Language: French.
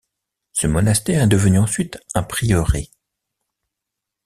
Ce monastère est devenu ensuite un prieuré.